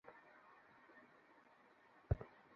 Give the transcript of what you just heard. যত ইচ্ছা বকুন।